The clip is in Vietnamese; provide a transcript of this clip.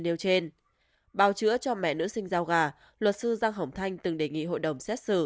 nêu trên bào chữa cho mẹ nữ sinh giao gà luật sư giang hồng thanh từng đề nghị hội đồng xét xử